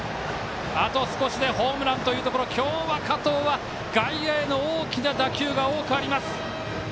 あと少しでホームランというところ今日は加藤は外野への大きな打球が多くあります。